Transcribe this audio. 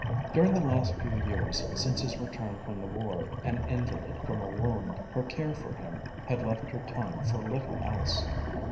During the last few years since his return from the war an invalid from a wound, her care for him had left her time for little else.